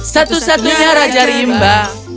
satu satunya raja rimba